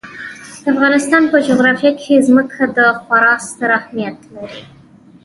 د افغانستان په جغرافیه کې ځمکه خورا ستر اهمیت لري.